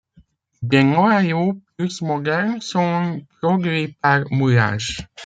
Des noyaux plus modernes sont produits par moulage.